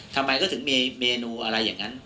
ทำไมก็ถึงมีเมนูอะไรอย่างนั้น